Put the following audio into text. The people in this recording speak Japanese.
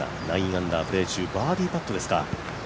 ９アンダー、プレー中バーディーパットですか。